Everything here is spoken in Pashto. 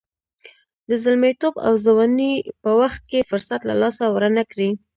د زلمیتوب او ځوانۍ په وخت کې فرصت له لاسه ورنه کړئ.